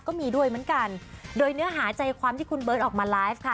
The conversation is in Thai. ก็มีด้วยเหมือนกันโดยเนื้อหาใจความที่คุณเบิร์ตออกมาไลฟ์ค่ะ